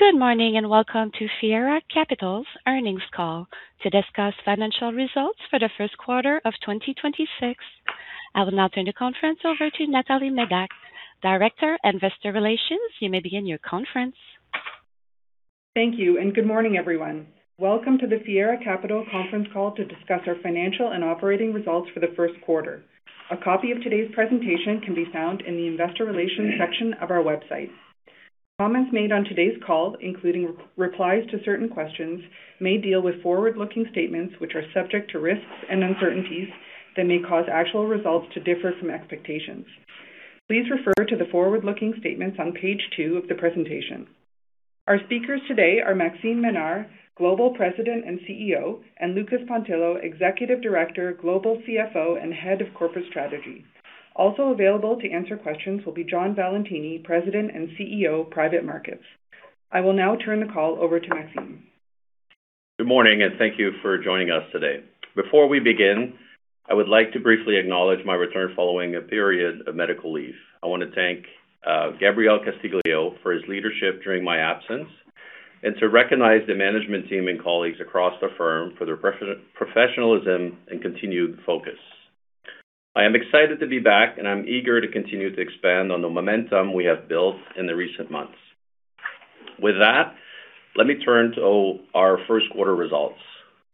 Good morning, and welcome to Fiera Capital's earnings call to discuss Financial Results for the First Quarter of 2026. I will now turn the conference over to Natalie Medak, Director, Investor Relations. You may begin your conference. Thank you. Good morning, everyone. Welcome to the Fiera Capital conference call to discuss our financial and operating results for the first quarter. A copy of today's presentation can be found in the investor relations section of our website. Comments made on today's call, including replies to certain questions, may deal with forward-looking statements which are subject to risks and uncertainties that may cause actual results to differ from expectations. Please refer to the forward-looking statements on page two of the presentation. Our speakers today are Maxime Ménard, Global President and CEO, and Lucas Pontillo, Executive Director, Global CFO, and Head of Corporate Strategy. Also available to answer questions will be John Valentini, President and Private Markets. i will now turn the call over to Maxime. Good morning, and thank you for joining us today. Before we begin, I would like to briefly acknowledge my return following a period of medical leave. I want to thank Gabriel Castiglio for his leadership during my absence and to recognize the management team and colleagues across the firm for their professionalism and continued focus. I am excited to be back, and I'm eager to continue to expand on the momentum we have built in the recent months. With that, let me turn to our first quarter results.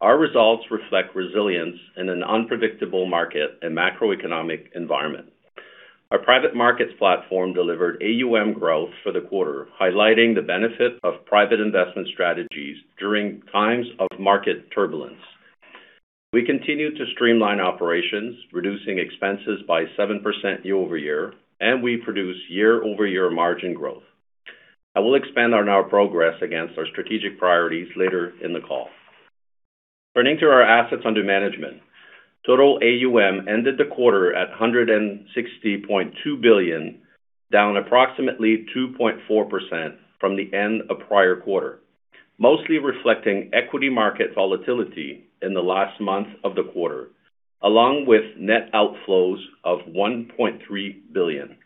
Our results reflect resilience in an unpredictable market and macroeconomic environment. Private Markets platform delivered AUM growth for the quarter, highlighting the benefit of private investment strategies during times of market turbulence. We continue to streamline operations, reducing expenses by 7% year-over-year, and we produce year-over-year margin growth. I will expand on our progress against our strategic priorities later in the call. Turning to our assets under management. Total AUM ended the quarter at 160.2 billion, down approximately 2.4% from the end of prior quarter. Mostly reflecting equity market volatility in the last month of the quarter, along with net outflows of 1.3 billion.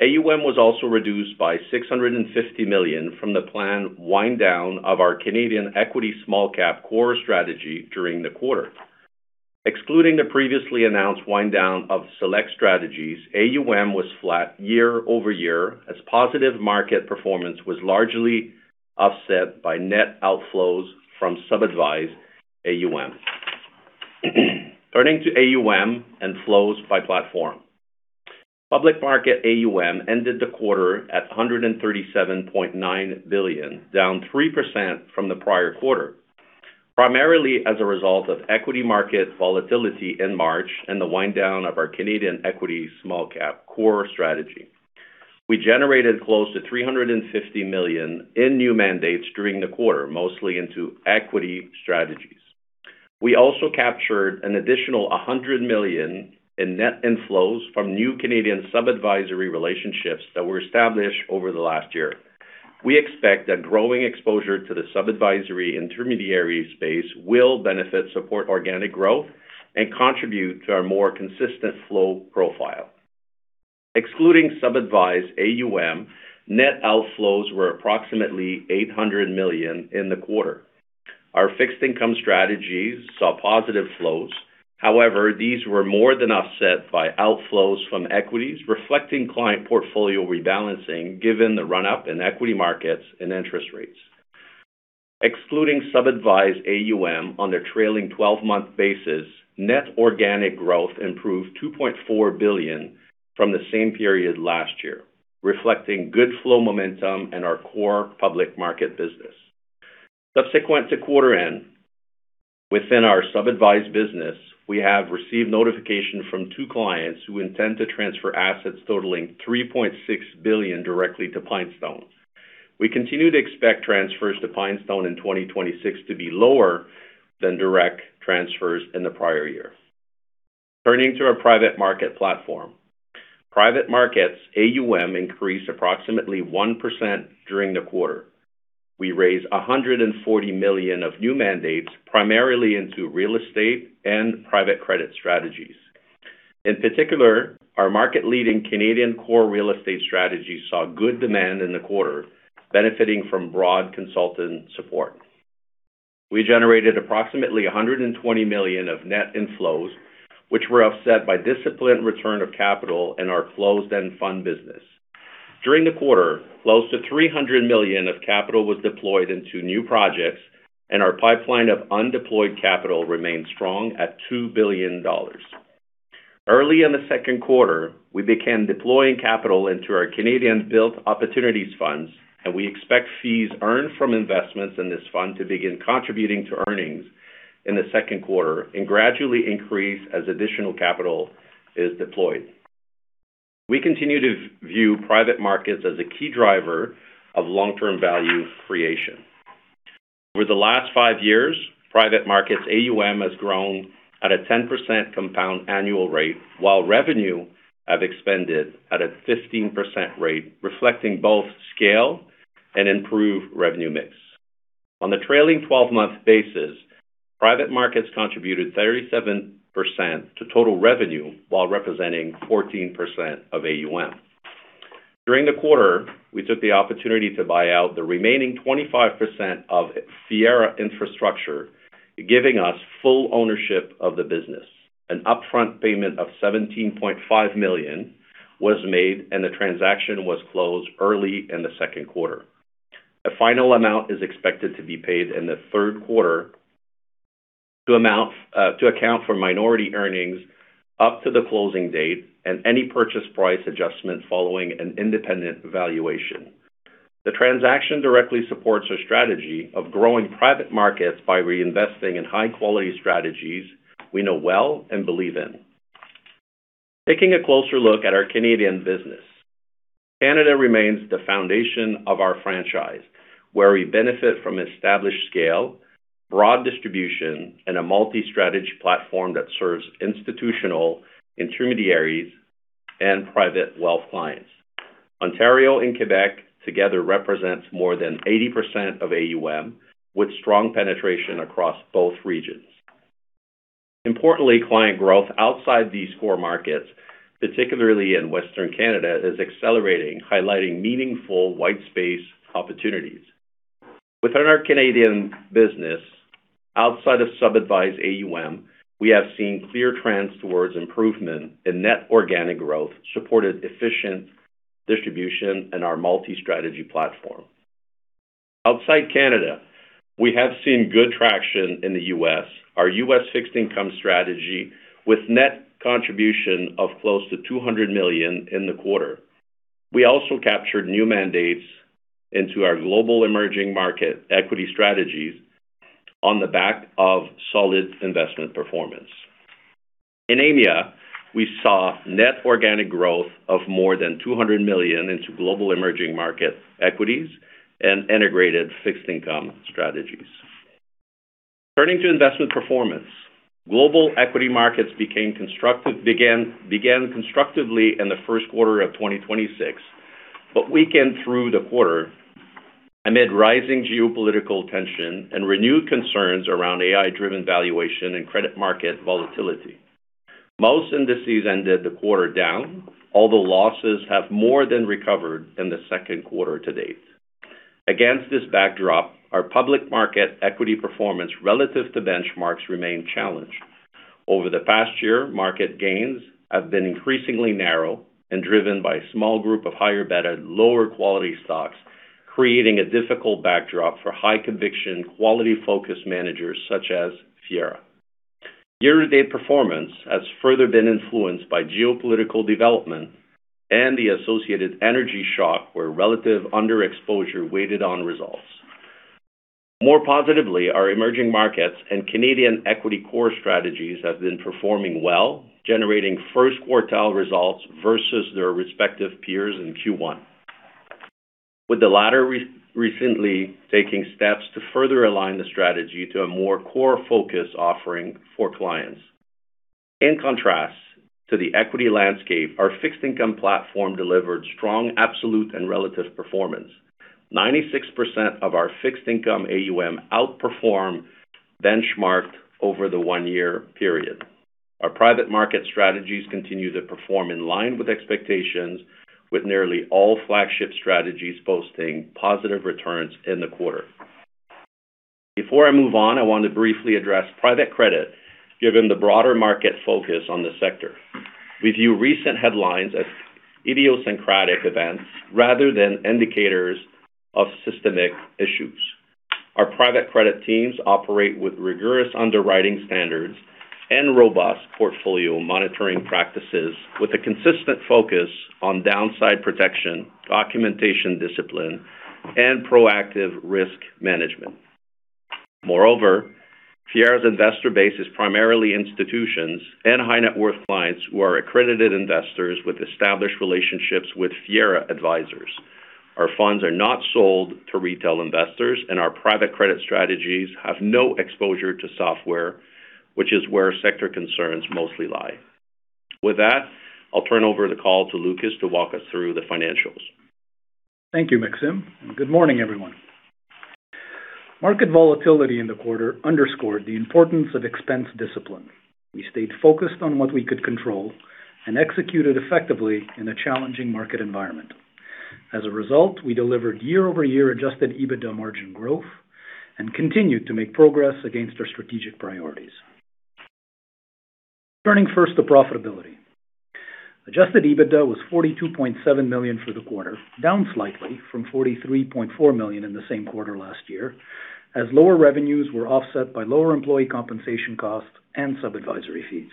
AUM was also reduced by 650 million from the planned wind down of Canadian Equity small cap core strategy during the quarter. Excluding the previously announced wind down of select strategies, AUM was flat year-over-year as positive market performance was largely offset by net outflows from sub-advised AUM. Turning to AUM and flows by platform. Public Market AUM ended the quarter at 137.9 billion, down 3% from the prior quarter, primarily as a result of equity market volatility in March and the wind down of Canadian Equity small cap core strategy. we generated close to 350 million in new mandates during the quarter, mostly into equity strategies. We also captured an additional 100 million in net inflows from new Canadian sub-advisory relationships that were established over the last year. We expect that growing exposure to the sub-advisory intermediary space will benefit support organic growth and contribute to our more consistent flow profile. Excluding sub-advised AUM, net outflows were approximately 800 million in the quarter. Our fixed income strategies saw positive flows. These were more than offset by outflows from equities, reflecting client portfolio rebalancing given the run-up in equity markets and interest rates. Excluding sub-advised AUM on a trailing 12-month basis, net organic growth improved 2.4 billion from the same period last year, reflecting good flow momentum in our core Public Market business. Subsequent to quarter end, within our sub-advised business, we have received notification from two clients who intend to transfer assets totaling 3.6 billion directly to PineStone. We continue to expect transfers to PineStone in 2026 to be lower than direct transfers in the prior year. Turning to our Private Market Private Markets AUM increased approximately 1% during the quarter. We raised 140 million of new mandates, primarily into real estate and Private Credit strategies. In particular, our market-leading Canadian core real estate strategy saw good demand in the quarter, benefiting from broad consultant support. We generated approximately 120 million of net inflows, which were offset by disciplined return of capital in our closed-end fund business. During the quarter, close to 300 million of capital was deployed into new projects, and our pipeline of undeployed capital remains strong at 2 billion dollars. Early in the second quarter, we began deploying capital into our Canadian Built Opportunities funds, and we expect fees earned from investments in this fund to begin contributing to earnings in the second quarter and gradually increase as additional capital is deployed. We continue to Private Markets as a key driver of long-term value creation. Over the last five Private Markets AUM has grown at a 10% compound annual rate while revenue have expanded at a 15% rate, reflecting both scale and improved revenue mix. On the trailing 12-month Private Markets contributed 37% to total revenue while representing 14% of AUM. During the quarter, we took the opportunity to buy out the remaining 25% of Fiera Infrastructure, giving us full ownership of the business. An upfront payment of 17.5 million was made, and the transaction was closed early in the second quarter. The final amount is expected to be paid in the third quarter to account for minority earnings up to the closing date and any purchase price adjustment following an independent valuation. The transaction directly supports our strategy of Private Markets by reinvesting in high-quality strategies we know well and believe in. Taking a closer look at our Canadian business. Canada remains the foundation of our franchise, where we benefit from established scale, broad distribution, and a multi-strategy platform that serves institutional intermediaries and private wealth clients. Ontario and Quebec together represents more than 80% of AUM, with strong penetration across both regions. Importantly, client growth outside these core markets, particularly in Western Canada, is accelerating, highlighting meaningful white space opportunities. Within our Canadian business, outside of sub-advised AUM, we have seen clear trends towards improvement in net organic growth, supported efficient distribution and our multi-strategy platform. Outside Canada, we have seen good traction in the U.S. Our U.S. fixed income strategy with net contribution of close to 200 million in the quarter. We also captured new mandates into our global emerging market equity strategies on the back of solid investment performance. In EMEA, we saw net organic growth of more than 200 million into global emerging market equities and integrated fixed income strategies. Turning to investment performance. Global Equity markets began constructively in the first quarter of 2026, but weakened through the quarter amid rising geopolitical tension and renewed concerns around AI-driven valuation and credit market volatility. Most indices ended the quarter down, although losses have more than recovered in the second quarter to date. Against this backdrop, our Public Market equity performance relative to benchmarks remained challenged. Over the past year, market gains have been increasingly narrow and driven by a small group of higher-beta, lower-quality stocks, creating a difficult backdrop for high-conviction, quality-focused managers such as Fiera. Year-to-date performance has further been influenced by geopolitical developments and the associated energy shock where relative underexposure weighted on results. More positively, our emerging markets and Canadian Equity core strategies have been performing well, generating first quartile results versus their respective peers in Q1. With the latter recently taking steps to further align the strategy to a more core focus offering for clients. In contrast to the equity landscape, our fixed income platform delivered strong absolute and relative performance. 96% of our fixed income AUM outperformed benchmarked over the one-year period. Our Private Market strategies continue to perform in line with expectations, with nearly all flagship strategies boasting positive returns in the quarter. Before I move on, I want to briefly address Private Credit, given the broader market focus on the sector. We view recent headlines as idiosyncratic events rather than indicators of systemic issues. Our Private Credit teams operate with rigorous underwriting standards and robust portfolio monitoring practices with a consistent focus on downside protection, documentation discipline, and proactive risk management. Moreover, Fiera's investor base is primarily institutions and high-net-worth clients who are accredited investors with established relationships with Fiera advisors. Our funds are not sold to retail investors, and our Private Credit strategies have no exposure to software, which is where sector concerns mostly lie. With that, I'll turn over the call to Lucas to walk us through the financials. Thank you, Maxime. Good morning, everyone. Market volatility in the quarter underscored the importance of expense discipline. We stayed focused on what we could control and executed effectively in a challenging market environment. As a result, we delivered year-over-year adjusted EBITDA margin growth and continued to make progress against our strategic priorities. Turning first to profitability. Adjusted EBITDA was 42.7 million for the quarter, down slightly from 43.4 million in the same quarter last year, as lower revenues were offset by lower employee compensation costs and sub-advisory fees.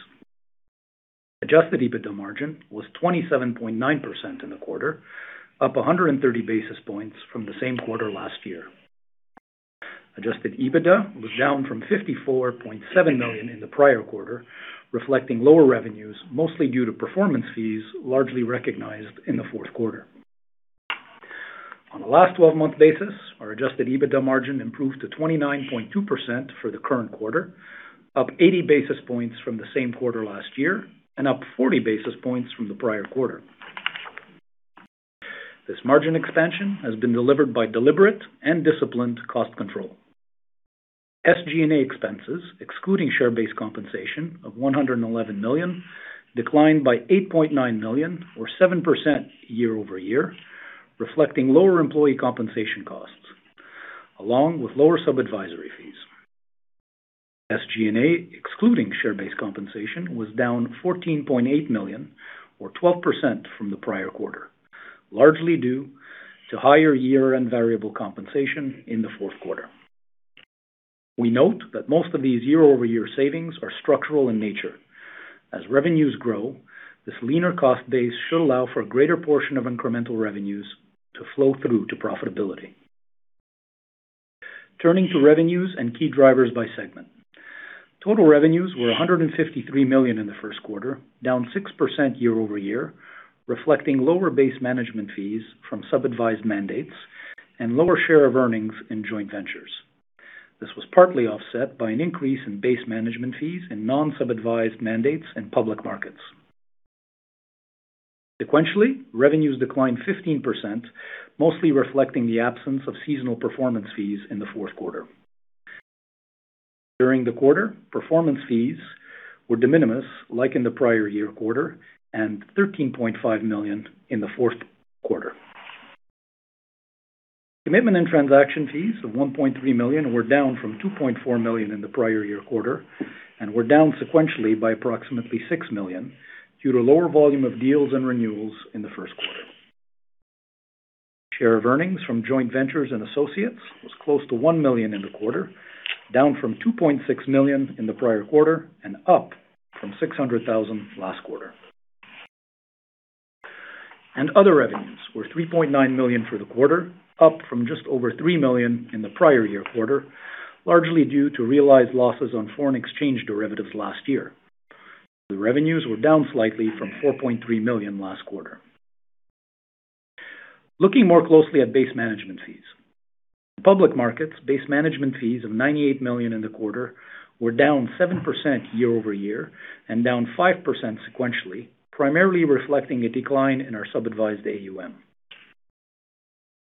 Adjusted EBITDA margin was 27.9% in the quarter, up 130 basis points from the same quarter last year. Adjusted EBITDA was down from 54.7 million in the prior quarter, reflecting lower revenues, mostly due to performance fees largely recognized in the fourth quarter. On a last 12-month basis, our adjusted EBITDA margin improved to 29.2% for the current quarter, up 80 basis points from the same quarter last year and up 40 basis points from the prior quarter. This margin expansion has been delivered by deliberate and disciplined cost control. SG&A expenses, excluding share-based compensation of CAD 111 million, declined by CAD 8.9 million or 7% year-over-year, reflecting lower employee compensation costs along with lower sub-advisory fees. SG&A, excluding share-based compensation, was down 14.8 million or 12% from the prior quarter, largely due to higher year and variable compensation in the fourth quarter. We note that most of these year-over-year savings are structural in nature. As revenues grow, this leaner cost base should allow for a greater portion of incremental revenues to flow through to profitability. Turning to revenues and key drivers by segment. Total revenues were 153 million in the first quarter, down 6% year-over-year, reflecting lower base management fees from sub-advised mandates and lower share of earnings in joint ventures. This was partly offset by an increase in base management fees in non-sub-advised mandates Public Markets. sequentially, revenues declined 15%, mostly reflecting the absence of seasonal performance fees in the fourth quarter. During the quarter, performance fees were de minimis like in the prior year quarter and 13.5 million in the fourth quarter. Commitment and transaction fees of 1.3 million were down from 2.4 million in the prior year quarter and were down sequentially by approximately 6 million due to lower volume of deals and renewals in the first quarter. Share of earnings from joint ventures and associates was close to 1 million in the quarter, down from 2.6 million in the prior quarter and up from 600,000 last quarter. Other revenues were 3.9 million for the quarter, up from just over 3 million in the prior year quarter, largely due to realized losses on foreign exchange derivatives last year. The revenues were down slightly from 4.3 million last quarter. Looking more closely at base management Public Markets base management fees of 98 million in the quarter were down 7% year-over-year and down 5% sequentially, primarily reflecting a decline in our sub-advised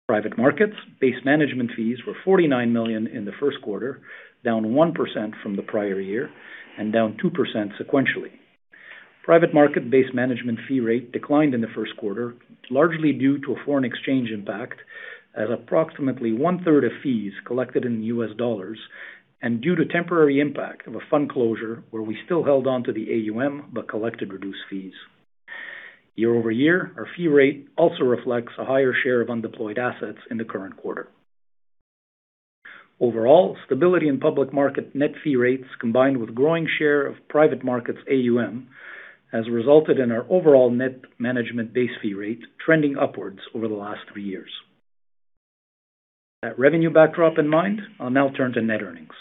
Private Markets base management fees were 49 million in the first quarter, down 1% from the prior year and down 2% sequentially. Private Market base management fee rate declined in the first quarter, largely due to a foreign exchange impact at approximately one-third of fees collected in U.S. dollars and due to temporary impact of a fund closure where we still held on to the AUM, but collected reduced fees. Year-over-year, our fee rate also reflects a higher share of undeployed assets in the current quarter. Overall, stability in Public Market net fee rates combined with growing share Private Markets AUM has resulted in our overall net management base fee rate trending upwards over the last three years. That revenue backdrop in mind, I will now turn to net earnings.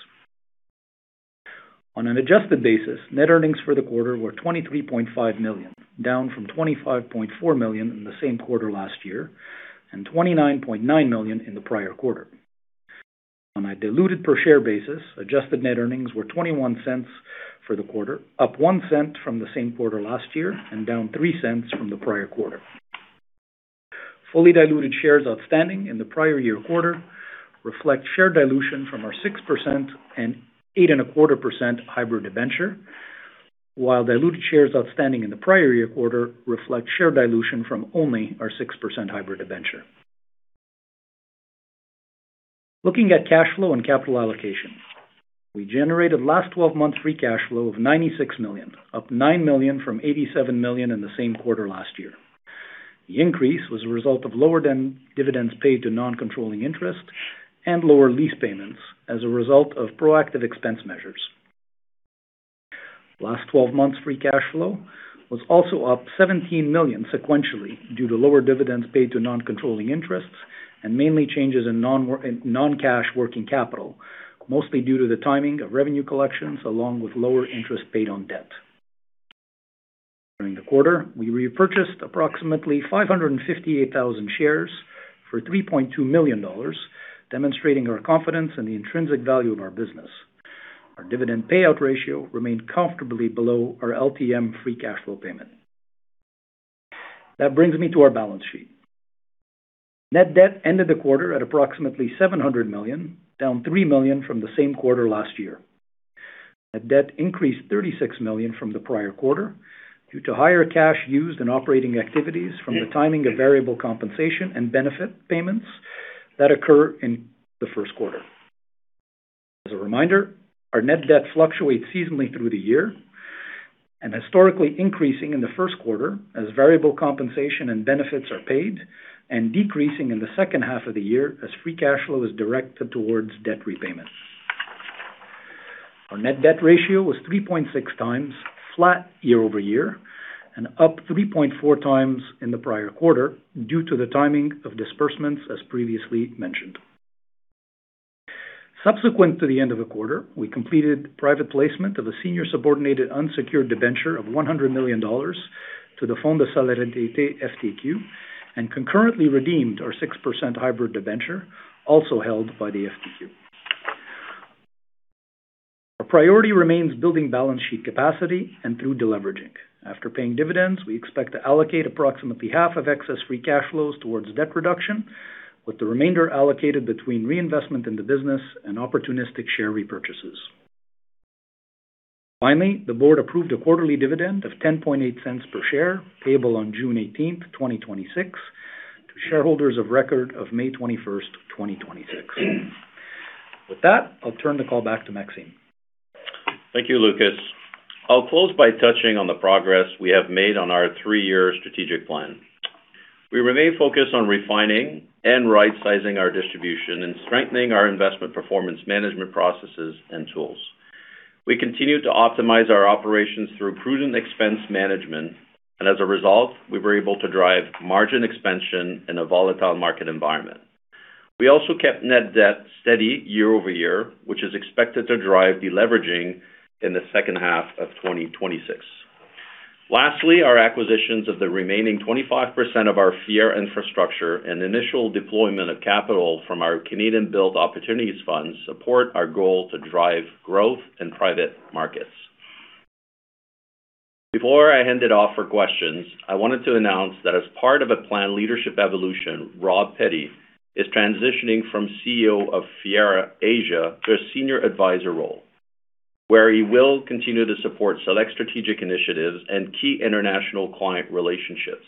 On an adjusted basis, net earnings for the quarter were 23.5 million, down from 25.4 million in the same quarter last year and 29.9 million in the prior quarter. On a diluted per share basis, adjusted net earnings were 0.21 for the quarter, up 0.01 from the same quarter last year and down 0.03 from the prior quarter. Fully diluted shares outstanding in the prior year quarter reflect share dilution from our 6% and 8.25% hybrid debenture, while diluted shares outstanding in the prior year quarter reflect share dilution from only our 6% hybrid debenture. Looking at cash flow and capital allocation. We generated last 12 months free cash flow of 96 million, up 9 million from 87 million in the same quarter last year. The increase was a result of lower than dividends paid to non-controlling interests and lower lease payments as a result of proactive expense measures. Last 12 months free cash flow was also up 17 million sequentially due to lower dividends paid to non-controlling interests and mainly changes in non-cash working capital, mostly due to the timing of revenue collections along with lower interest paid on debt. During the quarter, we repurchased approximately 558,000 shares for 3.2 million dollars, demonstrating our confidence in the intrinsic value of our business. Our dividend payout ratio remained comfortably below our LTM Free Cash Flow payment. Brings me to our balance sheet. Net debt ended the quarter at approximately 700 million, down 3 million from the same quarter last year. Net debt increased 36 million from the prior quarter due to higher cash used in operating activities from the timing of variable compensation and benefit payments that occur in the first quarter. As a reminder, our net debt fluctuates seasonally through the year and historically increasing in the first quarter as variable compensation and benefits are paid and decreasing in the second half of the year as free cash flow is directed towards debt repayment. Our net debt ratio was 3.6x flat year-over-year and up 3.4x in the prior quarter due to the timing of disbursements as previously mentioned. Subsequent to the end of the quarter, we completed private placement of a senior subordinated unsecured debenture of 100 million dollars to the Fonds de solidarité FTQ and concurrently redeemed our 6% hybrid debenture also held by the FTQ. Our priority remains building balance sheet capacity and through deleveraging. After paying dividends, we expect to allocate approximately half of excess free cash flows towards debt reduction, with the remainder allocated between reinvestment in the business and opportunistic share repurchases. Finally, the board approved a quarterly dividend of 0.108 per share, payable on June 18th, 2026 to shareholders of record of May 21st, 2026. With that, I'll turn the call back to Maxime. Thank you, Lucas. I'll close by touching on the progress we have made on our three-year strategic plan. We remain focused on refining and right-sizing our distribution and strengthening our investment performance management processes and tools. We continue to optimize our operations through prudent expense management, and as a result, we were able to drive margin expansion in a volatile market environment. We also kept net debt steady year-over-year, which is expected to drive deleveraging in the second half of 2026. Lastly, our acquisitions of the remaining 25% of our Fiera Infrastructure and initial deployment of capital from our Canadian Built Opportunities Fund support our goal to drive growth in Private Markets. Before I hand it off for questions, I wanted to announce that as part of a planned leadership evolution, Rob Petty is transitioning from CEO of Fiera Asia to a senior advisor role, where he will continue to support select strategic initiatives and key international client relationships.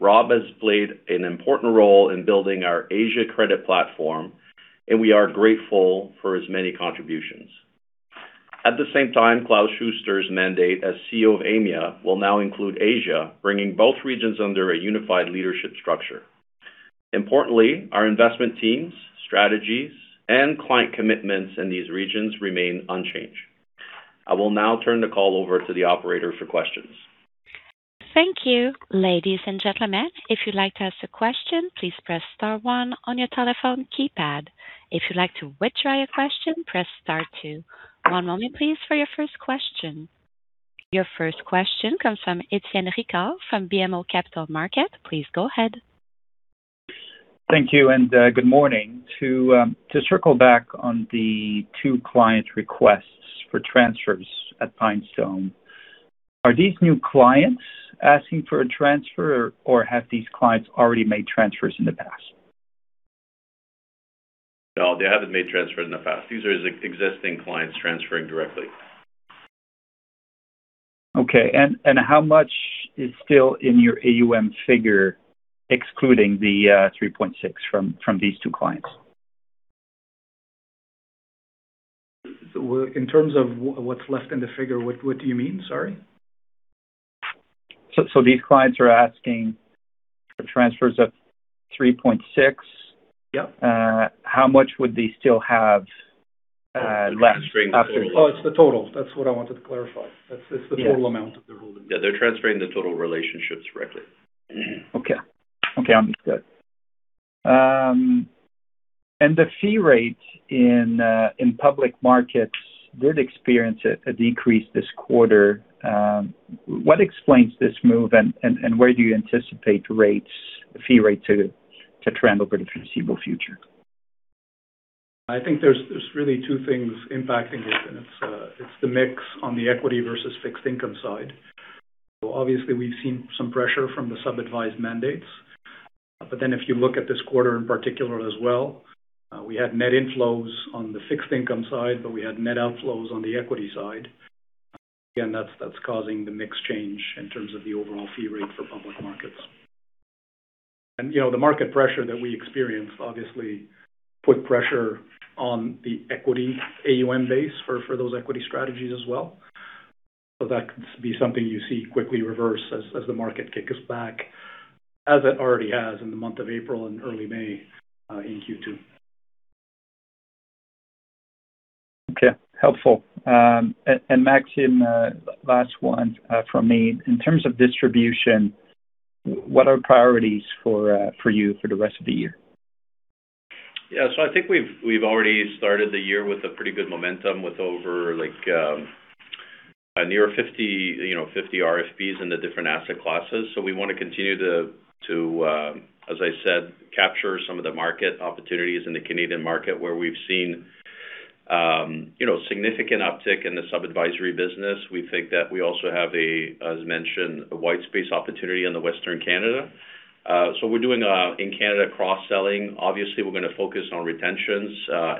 Rob has played an important role in building our Asia credit platform, and we are grateful for his many contributions. At the same time, Klaus Schuster's mandate as CEO of EMEA will now include Asia, bringing both regions under a unified leadership structure. Importantly, our investment teams, strategies, and client commitments in these regions remain unchanged. I will now turn the call over to the operator for questions. Thank you. Ladies and gentlemen, if you'd like to ask a question, please press star one on your telephone keypad. If you'd like to withdraw your question, press star two. One moment please for your first question. Your first question comes from Étienne Ricard from BMO Capital Markets. Please go ahead. Thank you and good morning. To circle back on the two client requests for transfers at PineStone, are these new clients asking for a transfer or have these clients already made transfers in the past? No, they haven't made transfers in the past. These are existing clients transferring directly. Okay. How much is still in your AUM figure, excluding the 3.6 from these two clients? Well, in terms of what's left in the figure, what do you mean? Sorry. These clients are asking for transfers of 3.6. Yeah. How much would they still have left? Oh, it's the total. That's what I wanted to clarify. Yeah. It's the total amount that they're holding. Yeah, they're transferring the total relationships directly. Okay. Okay, understood. The fee rate Public Markets did experience a decrease this quarter. What explains this move and where do you anticipate fee rates to trend over the foreseeable future? I think there's really two things impacting this. It's the mix on the equity versus fixed income side. Obviously, we've seen some pressure from the sub-advised mandates. If you look at this quarter in particular as well, we had net inflows on the fixed income side, but we had net outflows on the equity side. Again, that's causing the mix change in terms of the overall fee rate Public Markets. you know, the market pressure that we experienced obviously put pressure on the equity AUM base for those equity strategies as well. That could be something you see quickly reverse as the market kicks back as it already has in the month of April and early May, in Q2. Okay. Helpful. Maxime, last one from me. In terms of distribution, what are priorities for you for the rest of the year? Yeah. I think we've already started the year with a pretty good momentum with over near 50 RFPs in the different asset classes. We want to continue to, as I said, capture some of the market opportunities in the Canadian market where we've seen significant uptick in the sub-advisory business. We think that we also have a, as mentioned, a white space opportunity in the Western Canada. We're doing in Canada, cross-selling. Obviously, we're going to focus on retentions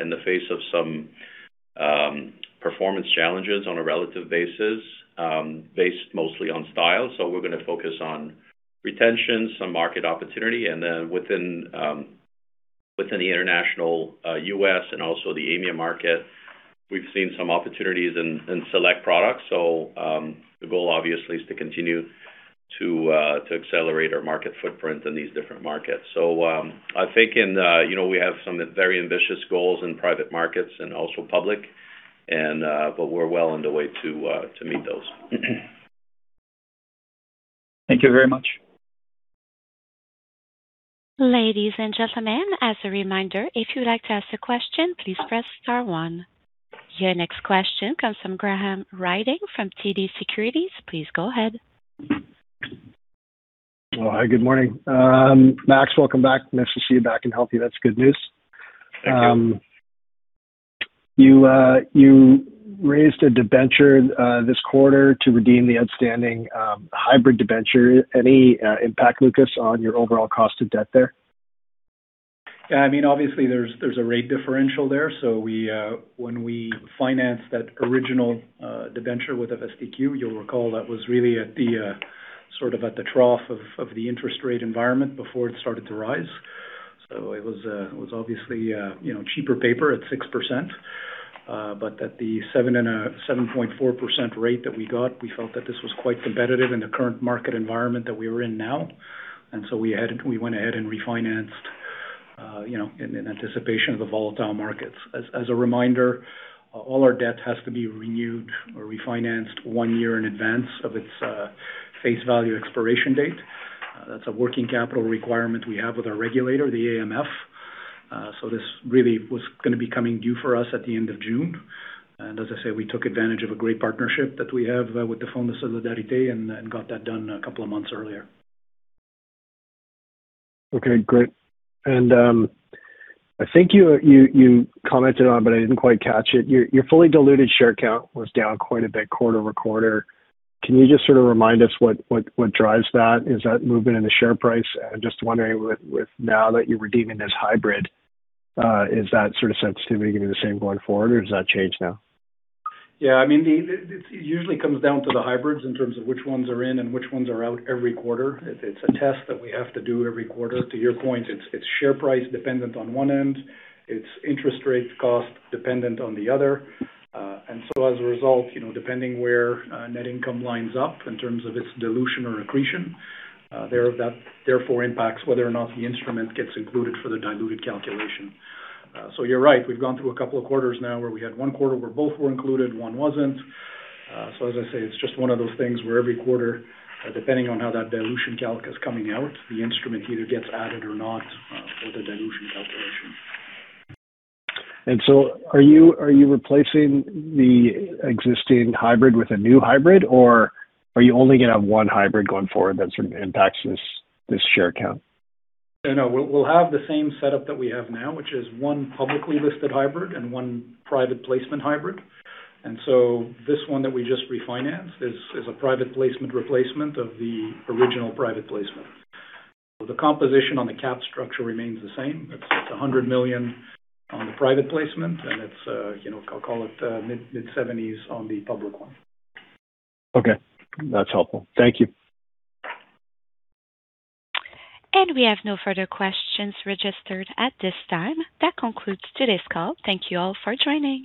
in the face of some performance challenges on a relative basis based mostly on style. We're going to focus on retention, some market opportunity. Within the international, U.S. and also the EMEA market, we've seen some opportunities in select products. The goal obviously is to continue to accelerate our market footprint in these different markets. I think in, you know, we have some very ambitious goals Private Markets and also Public and we're well on the way to meet those. Thank you very much. Ladies and gentlemen, as a reminder, if you'd like to ask a question, please press star one. Your next question comes from Graham Ryding from TD Securities. Please go ahead. Oh, hi, good morning. Max, welcome back. Nice to see you back and healthy. That's good news. You raised a debenture this quarter to redeem the outstanding hybrid debenture. Any impact, Lucas, on your overall cost of debt there? Yeah, I mean, obviously, there's a rate differential there. We, when we financed that original debenture with FTQ, you'll recall that was really at the sort of at the trough of the interest rate environment before it started to rise. It was obviously, you know, cheaper paper at 6%. At the 7% and 7.4% rate that we got, we felt that this was quite competitive in the current market environment that we are in now. We went ahead and refinanced, you know, in anticipation of the volatile markets. As a reminder, all our debt has to be renewed or refinanced one year in advance of its face value expiration date. That's a working capital requirement we have with our regulator, the AMF. This really was gonna be coming due for us at the end of June. As I said, we took advantage of a great partnership that we have with the Fonds de solidarité and got that done a couple of months earlier. Okay, great. I think you commented on, but I didn't quite catch it. Your fully diluted share count was down quite a bit quarter-over-quarter. Can you just sort of remind us what drives that? Is that movement in the share price? I'm just wondering with now that you're redeeming this hybrid, is that sort of sensitivity gonna be the same going forward, or does that change now? Yeah, I mean, it usually comes down to the hybrids in terms of which ones are in and which ones are out every quarter. It's a test that we have to do every quarter. To your point, it's share price dependent on one end, it's interest rate cost dependent on the other. As a result, you know, depending where net income lines up in terms of its dilution or accretion, that therefore impacts whether or not the instrument gets included for the diluted calculation. You're right. We've gone through a couple of quarters now where we had one quarter where both were included, one wasn't. As I said, it's just one of those things where every quarter, depending on how that dilution calc is coming out, the instrument either gets added or not, for the dilution calculation. Are you replacing the existing hybrid with a new hybrid, or are you only gonna have one hybrid going forward that sort of impacts this share count? No, no. We'll have the same setup that we have now, which is one publicly listed hybrid and one private placement hybrid. This one that we just refinanced is a private placement replacement of the original private placement. The composition on the cap structure remains the same. It's 100 million on the private placement, and it's, you know, call it mid-70s on the public one. Okay. That is helpful. Thank you. We have no further questions registered at this time. That concludes today's call. Thank you all for joining.